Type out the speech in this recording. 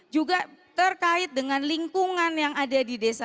juga terkait dengan lingkungan yang ada di desa